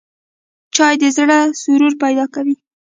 چای د زړه سرور پیدا کوي